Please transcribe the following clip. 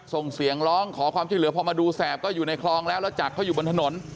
ส่งเสียงร้องขอความช่วยเหลือพอมาดูแสบก็อยู่ในคลองแล้วแล้วจักรเขาอยู่บนถนน